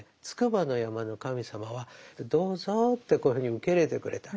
筑波の山の神様は「どうぞ」ってこういうふうに受け入れてくれた。